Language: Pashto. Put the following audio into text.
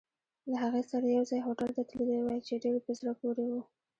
له هغې سره یوځای هوټل ته تللی وای، چې ډېر په زړه پورې وو.